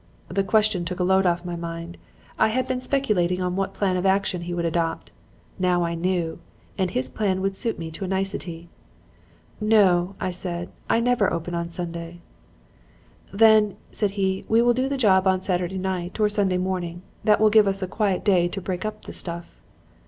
"The question took a load off my mind. I had been speculating on what plan of action he would adopt. Now I knew. And his plan would suit me to a nicety. "'No,' I said, 'I never open on Sunday.' "'Then,' said he, 'we will do the job on Saturday night or Sunday morning. That will give us a quiet day to break up the stuff.'